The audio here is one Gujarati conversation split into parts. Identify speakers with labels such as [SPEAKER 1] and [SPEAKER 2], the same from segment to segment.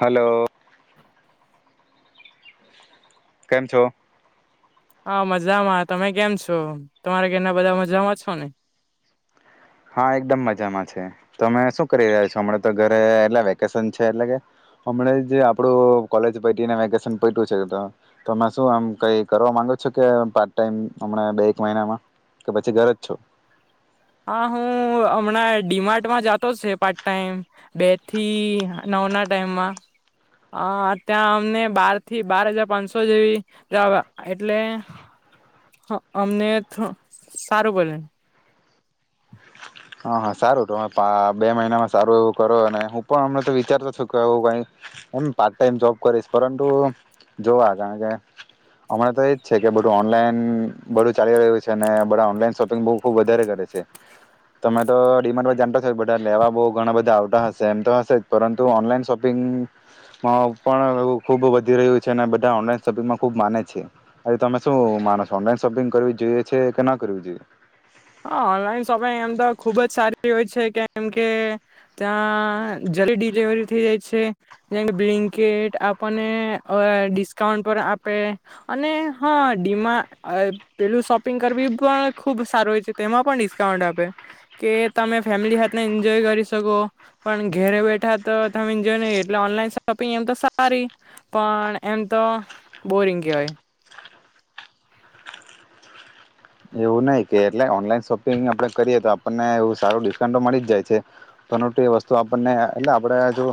[SPEAKER 1] હલો કેમ છો
[SPEAKER 2] હા મજામાં તમે કેમ છો તમારે ઘના બધા મજામાં છો ને
[SPEAKER 1] હા એકદમ મજામાં છે તો અમે શું કરી રહ્યા છો હમણા તો ઘરે એટલા વેકેશન છે એટલે કે હમણા આપડું કોલેજ પ વેકેશન પું છેમે શું આ કઈ કરવા માંગો છો કે પાર્ટ ટાઈમ બે એક મહિનામાં કે પછી ઘરે જ છો
[SPEAKER 2] હા. હું હમણાં ડીમાર્ટમાં જતો છે પાર્ટ ટાઈમ બે થી નવ ના ટાઈમમાં ત્યાં અમને બાર થી બાર હજાર પાંચસો જેવીવા એટલે અમને સારું કરે
[SPEAKER 1] હા હા સારું બે મહિનામાં સારું એવું કરો અને હું પણ અમને તો વિચારતો છું કે હું કઈ હમ પાર્ટ ટાઈમ જોબ કરીશ પરંતુ જોવા કારણ કે હમણાં તો એજ છે કે બધું ઓનલાઈન બધું ચાલી રહ્યું છે અને બધા ઓનલાઈન શોપિંગ બબ વધારે કરે છે તમે તો ડિમાન્ડ જાણતા છો બધા લેવા બહ ઘણા બધા આવતા હશે એમ તો હશે જ પરંતુ ઓનલાઈન શોપિંગમાં પણ ખુબ વધી રહ્યું છે અને બધા ઓનલાઈન શોપિંગમાં ખુબ માને છે તમે શું માનો છો ઓનલાઈન શોપિંગ કરવી જોઈએ છે કે ના કરવી જોઈએ
[SPEAKER 2] આ ઓનલાઈન શો તમે એમ તો ખુબ જ સારી... હોય છે કેમ કે ત્યાં જલ્દી ડિલિવરી થઈ જાય છે, જેમ કે બ્લિન્કેટ આપણને અ ડિસ્કાઉન્ટ પણ આપે અને હા ડીમા પેલું શોપિંગ કરવી પણ ખુબ સારું હોય છે. તેમાં પણ ડિસ્કાઉન્ટ આપે કે તમે ફેમિલી હાથના એન્જોય કરી શકો, પણ ઘેરે બેઠા તો તમે એન્જોય નહી, એટલે ઓનલાઈન શોપિંગ એમ તો સારી પણ એમ તો બોરિંગ કેવાય.
[SPEAKER 1] એવું નહી કે એટલે ઓનલાઈન શોપિંગ આપણે કરીએ તો આપણને એવુ સારું ડિસ્કાઉન્ટ તો મળી જ જાય છે, [unintelligible] તે વસ્તુ આપણને એટલે આપણેે જો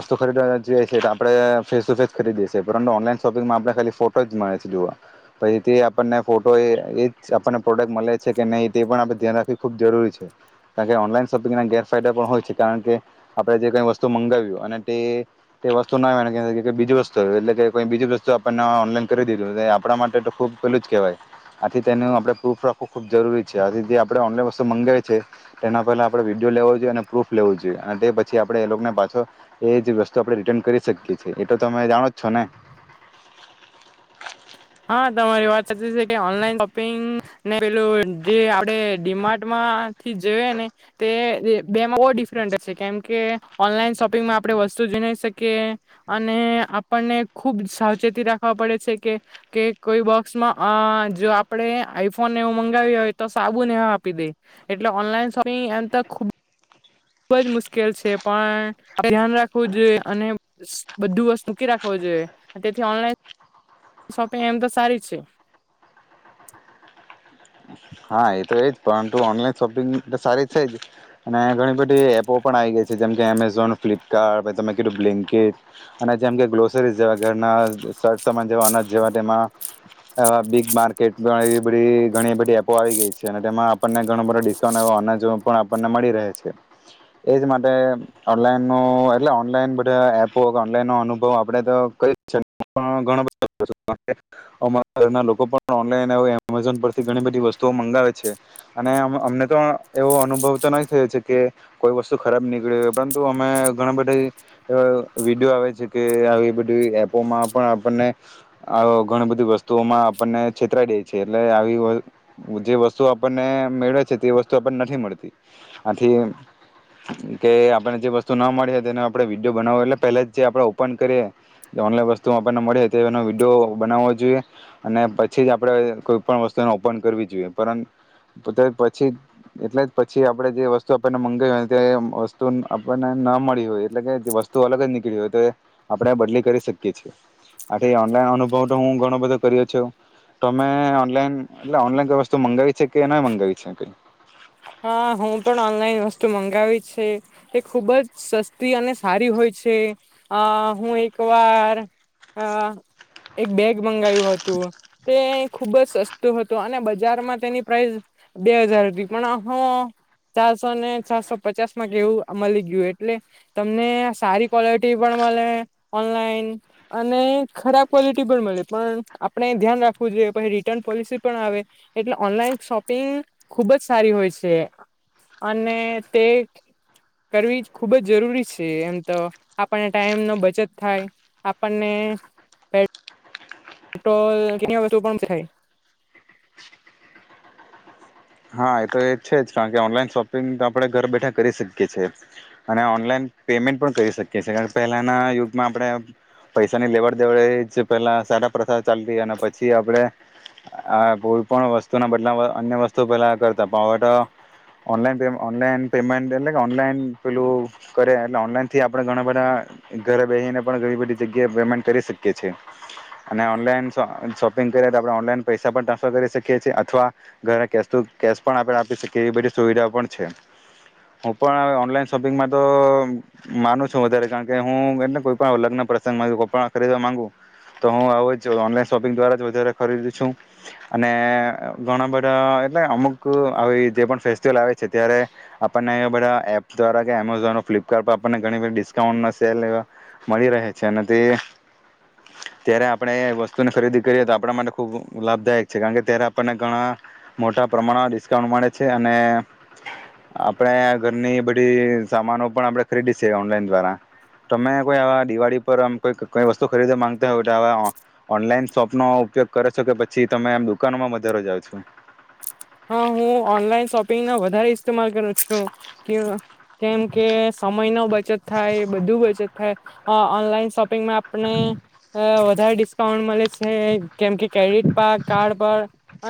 [SPEAKER 1] વસ્તુ ખરીદવા જીએ છે તો આપણે ફેસ ટુ ફેસ ખરીદીએે છે, પરંતુ ઓનલાઈન શોપિંગમાં આપણે ખાલી ફોટો જ મળે છે જોવા, પહી તે આપણને ફોટો એ એ... આપણને પ્રોડક્ટ મલે છે કે નહી તે પણ આપડે ધ્યાન રાખવી ખૂબ જરૂરી છે, કારણ કે ઓનલાઈન શોપિંગ ના ગેરફાયદા પણ હોય છે, કારણ કે આપણે જે કઈ વસ્તુ મંગાવ્યું અને તે તે વસ્તુ ના [inaudible] બીજી વસ્તુ આવી ગઈ, એટલે કે કેઈ બીજી વસ્તુ આપણને ઓનલાઈન કરી દીધું, આપણા માટે તો ખુબ પેલું જ કેવાય. થી તેનું આપડે પ્રૂફ રાખવું ખૂબ જરૂરી છે, આજે જે આપડે ઓનલાઈન વસ્તુ મગાવી છે, તેના પહેલા આપડે વિડીયો લેવો જોઈએ અને પ્રૂફ લેવું જોઈએ, અને તે પછી આપડે એ લોકોને પાછો એ જ વસ્તુ આપડે રિટર્ન કરી શકીએ છીએ, એ તો તમે જાણો જ છો ને.
[SPEAKER 2] હા તમારી વાત સાચી છે કે ઓનલાઈન શોપિંગ ને પેલું જે આપડે ડીમાર્ટમાંથી જોઈએ ને તે બેમાં બો ડિફરન્ટ છે, કેમકે ઓનલાઈન શોપિંગમાં આપડે વસ્તુ જોઈ નઈ શકીએ અને આપણને ખુબ સાવચેતી રાખવા પડે છે કે... કે કોઈ બોક્સમાં અ જો અ આપડે આઈફોન ને એવું મંગાવ્યું હોય તો સાબુને એવા આપી દેય, એટલે ઓનલાઈન શોપિંગ એમ તો ખુબ ખુબ જ મુશ્કેલ છે પણ ધ્યાન રાખવું જોઈએ અને બધું વસ્તુ મૂકી રાખવું જોઈએ, તેથી ઓનલાઈન... શોપિંગ એમ તો સારી છે.
[SPEAKER 1] હા એ તો એજ પરંતુ ઓનલાઈન શોપિંગ તો સારી છે જ અને આ ઘણી બધી એપો પણ આવી ગઈ છે જેમ કે એમેઝોન, ફ્લિપકાર્ટ પછી તમે કીધું બ્લિન્કીટ અને જેમ કે ગ્લોસરી જેવા ઘરના સર્ટ સમાન જેવા અનાજ જેવા તેમાં અ બિગ માર્કેટ ઘણી બધી એવી ઘણી બધી એપ... પો આવી ગઈ છે અને તેમાં આપણને ઘણો બધો ડિસ્કાઉન્ટ એવો અનાજો પણ આપણને મળી રહે છે, એજ માટે ઓનલાઈનનો એટલે ઓનલાઈન બધા એપો ઓનલાઇનનો અનુભવ આપડે તો કરી એજ છે પણ ઘણો બધો [inaudible] અમાં ઘરના લોકો પણ ઓનલાઇન હવે એમેઝોન પરથી ઘણી બધી વસ તો મંગાવે છે અને અમ અમને તો એવો અનુભવ તો નહી થયો છે કે કોઈ વસ્તુ ખરાબ નીકળી હોય, પરંતુ અમે ઘણા બધે અ વિડીયો આવે છે, કે આવી બધી એપોમાં પણ આપણને આવુ ઘણું બધું વસ્તુઓમાં આપણને છેતરાઈ દેય છે, એટલે આવી વ જે વસ્તુ આપણને મેળવે છે, તે વસ્તુ આપણને નથી મળતી, આથી કે આપળને જે વસ્તુ ના મળી તેનો આપડે વિડીયો બનાવો એટલે પેલે જ જે આપડે ઓપન કરીએ એ ઓનલાઈન વસ્તુ આપણને મળે તેનો વિડીયો બનાવવો જોઈએ, અને પછી જ આપડે કોઈ પણ વસ્તુનો ઉપ પન કરવી જોઈએ, પરં તે પછી એટલે જ પછી આપડે જે વસ્તુ આપણને મંગાવાઈ હોય તે વસ્તુ આપણને ન મળી હોય એટલે કે વસ્તુ અલગ જ નીકળી હોય તો આપડા બદલી કરી શકીએ છીએ, આથી ઓનલાઈન અનુભવ તો હું ઘણો બધો કર્યો છું, તમે ઓનલાઈન... એટલે ઓનલાઈન કઈ વસ્તુ મંગાવી છે કે ન મંગાવી છે કે...
[SPEAKER 2] હા હું પણ ઓનલાઈન વસ્તુ મંગાવી છે, તે ખુબ જ સસ્તી અને સારી હોય છે, અ હું એક વાર અ એક બેગ મંગાવ્યું હતું, તે ખુબ જ સસ્તું હતું અને બજારમાં તેની પ્રાઇસ બે હજાર... પણ હ ચારસો ને ચારસો પચાસમાં ગેવું મલી ગયું એટલે તમને સારી ક્વોલિટી પણ મલે ઓનલાઈન અને ખરાબ ક્વોલિટી પણ મલે પણ આપણે ધ્યાન રાખવું જોઈએ પહી રિટર્ન પોલિસી પણ આવે એટલે ઓનલાઈન શોપિંગ ખુબ જ... સારી હોય છે, અને તે કરવી ખુબ જ જરૂરી છે, એમ તો આપણને ટાઈમ નો બચત થાય આપણને... ટ્રોલ કેની આ વસ્તુ પણ શીખાય.
[SPEAKER 1] હા એ તો એ છે જ કારણ કે ઓનલાઈન શોપિંગ તો આપડે ઘર બેઠા કરી શકીએ છે, અને ઓનલાઈન પેમેન્ટ પણ કરી શકીએ છે, કારણ કે પહેલાના યુગમાં આપડે પૈસાની લેવડ દેવડે એ જ પેલા સારા પ્રથા ચાલતી અને પછી આપડે આ કોઈ પણ વસ્તુના બદલામાં અન્ય વસ તો પેલા કરતા પ અવે તો ઓનલાઈન પેમ ઓનલાઈન પેમેન્ટ એટલે કે ઓનલાઈન પેલું કરે એટલે ઓનલાઈનથી આપડે ઘણા બધા ઘરે બેહીને પણ ઘણી બધી જગ્યાએ પેમેન્ટ કરી શકીએ છે, અને ઓનલાઈન શો શોપિંગ કરીએ તો આપડે ઓનલાઈન પૈસા પણ ટ્રાન્સફર કરી શકીએ છે અથવા ઘરે કે તુ કેશ પણ આપડે આપી શકીએ એવી બધી સુવિધાઓ પણ છે, હું પણ ઓનલાઈન શોપિંગમાં તો માનું છું વધારે કારણ કે હું એટલે કોઈ પણ લગ્ન પ્રસંગમાં કોઈ પણ ખરીદવા માંગુું તો હું આવું જ ઓનલાઈન શોપિંગ દ્વારા જ વધારે ખરીદું છું, અને ઘણા બધા... એટલે અમુક આવી જે પણ ફેસ્ટિવલ આવે છે, ત્યારે આપણને એ બધા એપ દ્વારા કે એમેઝોન ફ્લિપકાર્ટ પર આપણને ઘણી બધ ડિસ્કાઉન્ટ સેલ એ મળી રહે છે ને તે ત્યારે આપણે વસ્તુની ખરીદી કરીએ તો આપડા માટે ખુબ લાભદાયક છે કારણ કે ત્યારે આપણને ઘણા... મોટા પ્રમાણમાં ડિસ્કાઉન્ટ મળે છે અને આપણે ઘરની બધી સામાનો પણ આપણે ખરીદીએ છે, ઓનલાઈન દ્વારા તમે કોઈ આવા દિવાળી પર આમ કોઈ કઈ વસ્તુ ખરીદવા માંગતા હોય તો આવા ઓનલાઈન શોપનો ઉપયોગ કરો છો કે પછી તમે આમ દુકાનોમાં વધારે જાઓ છો.
[SPEAKER 2] તમાલ કરું છું, કેમ કેમ કે સમયનો બચત થાય બધું બચત... થાય આ ઓનલાઈન શોપિંગમાં આપને અ વધારે ડિસ્કાઉન્ટ મળે છે, કેમ કે ક્રેડિટ પર કાર્ડ પર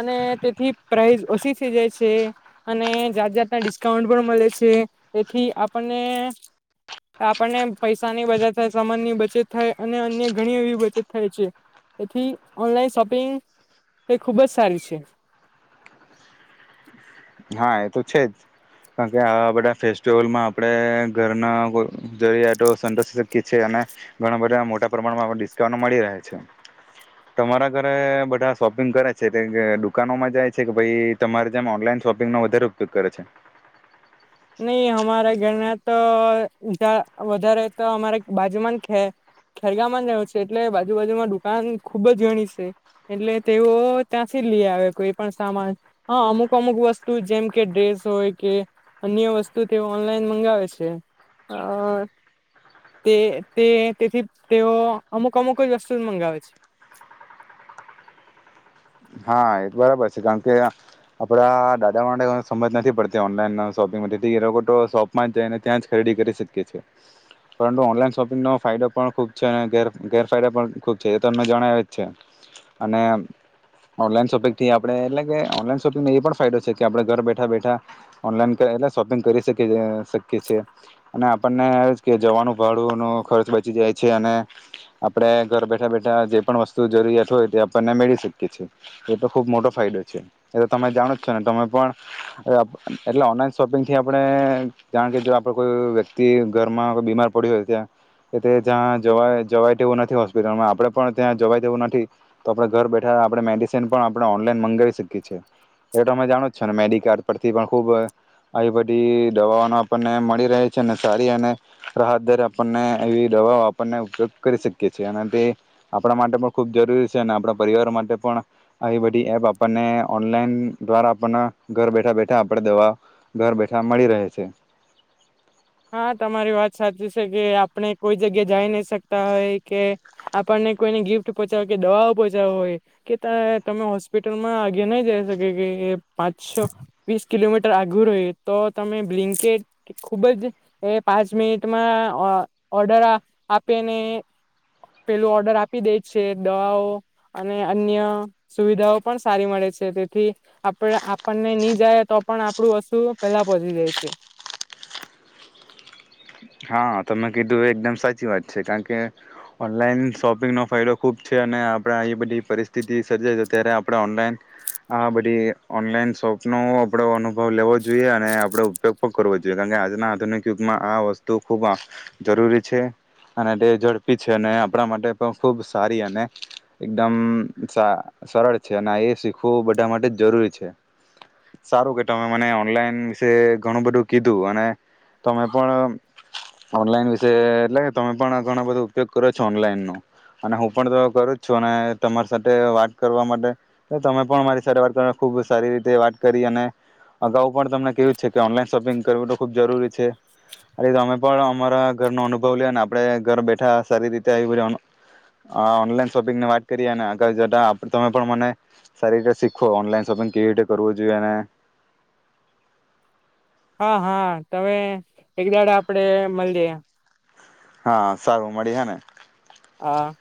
[SPEAKER 2] અને તેથી... પ્રાઇઝ ઓછી થઈ જાય છે, અને જાત જાતના ડિસ્કાઉન્ટ પણ મલે છે, એથી આપણને આપણને પૈસાની બચત થાય સામાનની બચત થાય અને અન્ય ઘણી એવી બચત થાય છે, એથી ઓનલાઈન શોપિંગ એ ખૂબ જ સારી છે.
[SPEAKER 1] હા એ તો છે જ કારણ કે આવા બધા ફેસ્ટિવલમાં આપડે ઘરના જરૂરિયાતો સંતોષી શકીએ છે, અને ઘણા બધા મોટા પ્રમાણમાં ડિસ્કાઉન્ટ મળી રહે છે, તમારા ઘરે બધા શોપિંગ કરે છે તે દુકાનોમાં જાય છે કે પહી તમારે જેમ ઓનલાઈન... શોપિંગનો વધારે ઉપયોગ કરે છે.
[SPEAKER 2] નઈ હમારા ઘરના... તો વધારે તો અમારે બાજુમાં ખે ખેરગામમાં રહું છે, એટલે બાજુ બાાજુમાં દુકાન ખુબ જ ઘણી છે, એટલે તેઓ ત્યાંથી જ લઈ આવે કોઈ પણ સામાન હા અમુક અમુક વસ્તુ જેમ કે ડ્રેસ હોય કે... અન્ય વસ્તુ તેઓ ઓનલાઈન મંગાવે છે, અ તે તે તેથી તેઓ અમુક અમુક જ વસ્તુ મંગાવે છે.
[SPEAKER 1] હા એ બરાબર છે કારણ કે આપડા દાદા માટે સમજ નથી પડતી ઓનલાઈનનો શોપિંગ તેથી એ લોકો તો શોપમાં જઈને ત્યાં જ ખરીદી કરી શકીએ છે, પરંતુ ઓનલાઈન શોપિંગનો ફાયદો પણ ખૂબ છે ને ગેર ગેરફાયદા પણ ખૂબ છે, એ તો અમને જણાવે જ છે અને... ઓનલાઈન શોપિંગથી આપડે એટલે કે ઓનલાઈન શોપિંગને એ પણ ફાયદો છે કે આપડે ઘર બેઠા બેઠા ઓનલાઈન એટલે શોપિંગ કરી શકીએ શકીએ છે, અને આપણને એ જ કે જવાનું ભાડુંનો ખર્ચ બચી જાય છે, અને આપડે ઘર બેઠા બેઠા જે પણ વસ્તુ જરૂરિયાત હોય તે આપણને મેળવી શકીએ છે. એ તો ખુબ મોટો ફાયદો છે, એ તો તમે જાણો જ છો ને તમે પણ એટલે ઓનલાઈન શોપિંગથી આપણે જાણ કે જો આપડો કોઈ વ્યક્તિ ઘરમાં કો બીમાર પડી હોય ત્યા તો તે જ્યાં જવા જવાય તેવું નથી હોસ્પિટલમાં આપડે પણ ત્યાં જવાય તેવું નથી, તો આપડે ઘર બેઠા આપડે મેડિસ... પણ આપણે ઓનલાઈન મંગાવી શકીએ છે, હવે તમે જાણો છો ને મેડી કાર્ડ પરથી પણ ખૂબ આવી બધી દવાઓનો આપણને મળી રહે છે, અને સારી અને રાહતદારી આપણને એવી દવાઓ આપણને ઉપયોગ કરી શકીએ છે, અને તે આપડા માટે પણ ખૂબ જરૂરી છે અને આપડા પરિવાર માટે પણ... આવી બધી એપ આપણને ઓનલાઈન દ્વારા આપણને ઘર બેઠા બેઠા આપડે દવા ઘર બેઠા મળી રહે છે.
[SPEAKER 2] હા તમારી વાત સાચી છે કે આપણે કોઈ જગ્યા જાઈ નહી શકતા હોય કે આપણને કોઈને ગિફ્ટ પહોંચાડ કે દવાઓ પહોંચાડવા હોય કે તા તમે હોસ્પિટલમાં આગે નહી જઈ શકે કે પાંચસો વીસ કિલોમીટર આઘુ રહ્યુ તો તમે બ્લીન્કીટ ખુબ જ... એ પાંચ મિનિટમાં અ ઓર્ડર અ આપેને પેલું ઓર્ડર આપી દે છે, દવાઓ અને અન્ય સુવિધાઓ પણ સારી મળે છે, તેથી આપ આપણને ની જાય તો પણ આપડુ વસ્તુ પેલા પહોંચી જાય છે.
[SPEAKER 1] હા તમે કીધું એ એકદમ સાચી વાત છે કારણ કે ઓનલાઈન શોપિંગનો ફાયદો ખુબ છે, અને આપડે એ બધી પરિસ્થિતિ સર્જાય છે, ત્યારે આપડે ઓનલાઈન આ બધી ઓનલાઈન શોપનો આપડો અનુભવ લેવો જોઈએ, અને આપડો ઉપયોગ પણ કરવો જોઈએ, કારણકે આજના આધુનિક યુગમાં આ વસ તુ ખુબ જરૂરી છે અને તે ઝડપી છે, અને આપડા માટે પણ ખૂબ સારી અને એકદમ સા સરળ છે, અને એ શીખવું બધા માટે જ જરૂરી છે, સારું કે તમે મને ઓનલાઈન વિશે ઘણું બધું કીધું અને તમે પણ... ઓનલાઈન વિશે એટલે તમે પણ ઘણો બધો ઉપયોગ કરો છો ઓનલાઈન નો અને હું પણ તો કરું જ છું અને તમારી સાથે વાત કરવા માટે હું તમે પણ મારી સાથે વાત કરવા ખુબ સારી રીતે વાત કરી અને અગાઉ પણ તમને કેવું છે કે ઓનલાઈન શોપિંગ કરવું તો ખુબ જરૂરી છે. આથી તમે પણ અમારા ઘરનો અનુભવ લ્યોને આપડે ઘર બેઠા સારી રીતે આવી બધી ઓન ઓનલાઈન શોપિંગની વાત કરી અને આગળ જતા તમે પણ મને સારી રીતે શીખો ઓનલાઈન શોપિંગ કેવી રીતે કરવું જોઈએ અને...
[SPEAKER 2] હા હા તમે એક દાડા આપડે મલીયે.
[SPEAKER 1] હા સારું મળીયે ને.
[SPEAKER 2] હા.